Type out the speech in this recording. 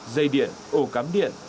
dây điện ổ cắm điện